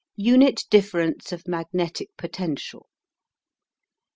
UNIT DIFFERENCE OF MAGNETIC POTENTIAL.